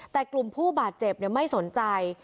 แต่กลุ่มผู้บาดเจ็บไม่สนใจ